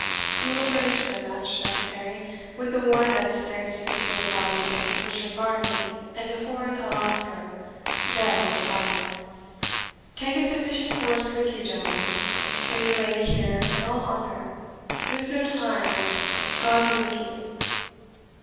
You will furnish them, Master Secretary, with the warrant necessary to secure the bodies of Richard Varney and the foreign Alasco, dead or alive. Take a sufficient force with you, gentlemen bring the lady here in all honour lose no time, and God be with you!"